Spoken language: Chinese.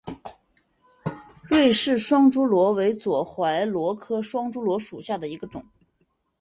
芮氏双珠螺为左锥螺科双珠螺属下的一个种。